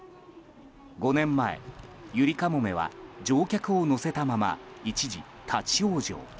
５年前、ゆりかもめは乗客を乗せたまま一時立ち往生。